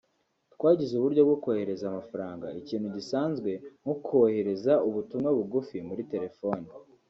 twagize uburyo bwo kohereza amafaranga ikintu gisanzwe nko kohereza ubutumwa bugufi muri telefoni